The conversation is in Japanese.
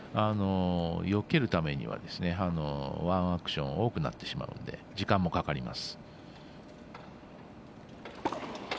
よけるためには、ワンアクション多くなってしまうので時間もかかります。